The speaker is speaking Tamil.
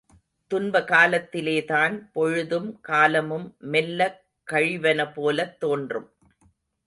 துன்ப காலத்திலேதான் பொழுதும் காலமும் மெல்லக் கழிவன போலத் தோன்றும்.